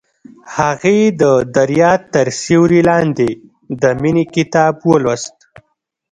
هغې د دریا تر سیوري لاندې د مینې کتاب ولوست.